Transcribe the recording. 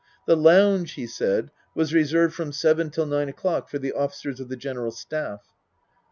The lounge, he said, was reserved from seven till nine o'clock for the officers of the General Staff.